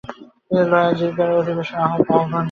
তিনি লয়া জিরগার অধিবেশন আহ্বান করেন।